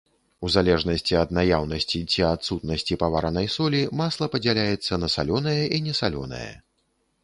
У залежнасці ад наяўнасці ці адсутнасці паваранай солі, масла падзяляецца на салёнае і несалёнае.